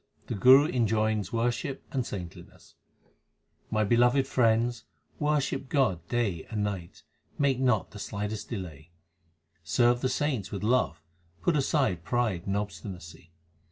The Guru enjoins worship and saintliness : My beloved friends, worship God day and night ; make not the slightest delay. Serve the saints with love ; put aside pride and obstinacy.